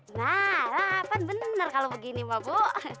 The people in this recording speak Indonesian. nah lah apa bener kalo begini mbak bu